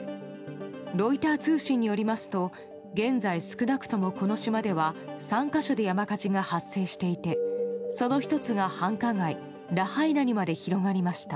ロイター通信によりますと現在少なくともこの島では３か所で山火事が発生していて、その１つが繁華街